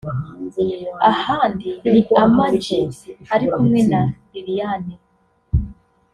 ahandi ni Ama G ari kumwe na Liliane